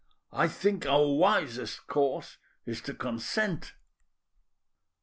I think our wisest course is to consent."